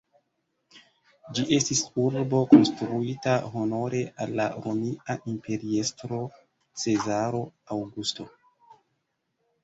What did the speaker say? Ĝi estis urbo konstruita honore al la romia imperiestro Cezaro Aŭgusto.